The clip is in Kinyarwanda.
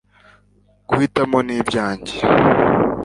guhitamo ni ibyanjye